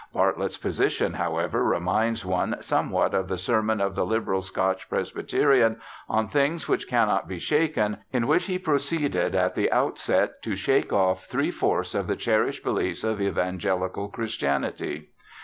Bartlett's position, however, reminds one somewhat of the sermon of the liberal Scotch Presb^ terian on 'things which cannot be shaken ', in which he proceeded at the outset to shake off three fourths of the cherished beliefs of Evangelical Christianity.